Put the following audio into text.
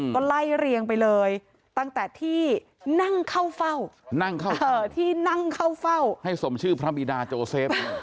ก็ไล่เรียงไปเลยตั้งแต่ที่นั่งเข้าเฝ้านั่งเข้าที่นั่งเข้าเฝ้าให้สมชื่อพระบิดาโจเซฟ